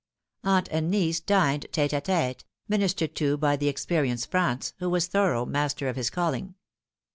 Aunt and niece dined tete & tete, ministered to by the ex perienced Franz, who was thorough master of his calling.